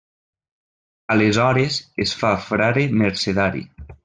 Aleshores es fa frare mercedari.